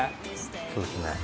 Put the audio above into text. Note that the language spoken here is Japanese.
そうですね。